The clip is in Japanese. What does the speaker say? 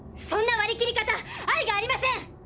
そんな割り切り方愛がありません！